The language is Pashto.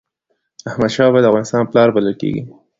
احمد شاه بابا د افغانستان پلار بلل کېږي.